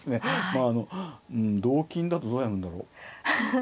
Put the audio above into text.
まああの同金だとどうやるんだろう。